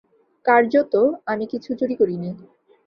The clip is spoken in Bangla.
কার্যত, আমি কিছু চুরি করিনি।